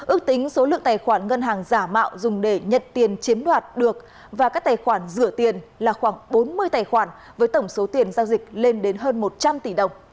ước tính số lượng tài khoản ngân hàng giả mạo dùng để nhận tiền chiếm đoạt được và các tài khoản rửa tiền là khoảng bốn mươi tài khoản với tổng số tiền giao dịch lên đến hơn một trăm linh tỷ đồng